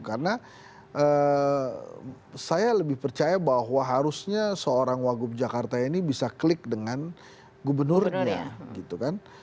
karena saya lebih percaya bahwa harusnya seorang wagub jakarta ini bisa klik dengan gubernurnya gitu kan